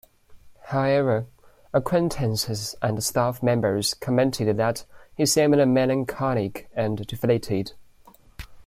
However, acquaintances and staff members commented that he seemed melancholic and deflated.